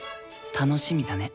楽しみだね。